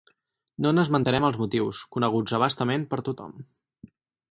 No n’esmentarem els motius, coneguts a bastament per tothom.